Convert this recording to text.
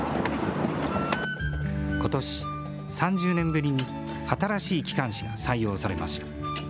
ことし、３０年ぶりに新しい機関士が採用されました。